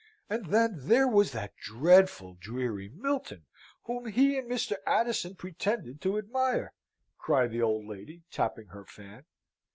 And then, there was that dreadful, dreary Milton, whom he and Mr. Addison pretended to admire!" cried the old lady, tapping her fan.